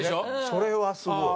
それはすごい。